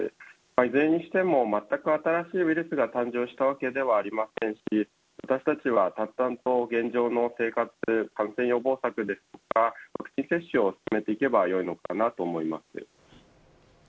いずれにしてもまったく新しいウイルスが誕生したわけではありませんし私たちは淡々と現状の生活、感染予防策ですとかワクチン接種を進めればよいのかなと思います。